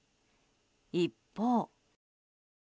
一方。